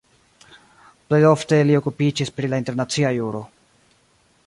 Plej ofte li okupiĝis pri la internacia juro.